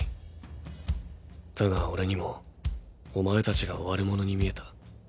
だがオレにもお前たちが悪者に見えた。